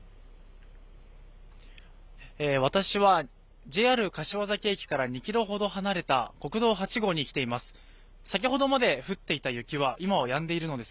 私はＪＲ柏崎駅から２ｋｍほど離れた国道８号に来ています。